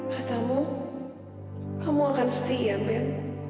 katamu kamu akan setia